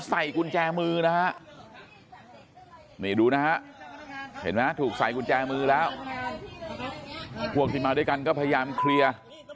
ใส่กุญแจมือนะฮะนี่ดูนะฮะเห็นไหมถูกใส่กุญแจมือแล้วพวกที่มาด้วยกันก็พยายามเคลียร์